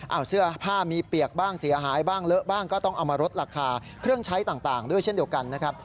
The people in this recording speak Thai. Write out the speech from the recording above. เอาเสื้อผ้ามีเปียกบ้างเสียหายบ้างเลอะบ้างก็ต้องเอามาลดราคาเครื่องใช้ต่างด้วยเช่นเดียวกันนะครับ